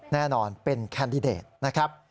แน่นอนเป็นแคนดิเดตนะครับ